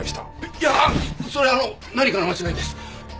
いやそれはあの何かの間違いです！